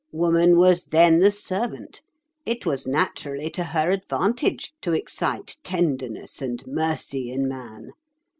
Woman was then the servant. It was naturally to her advantage to excite tenderness and mercy in man.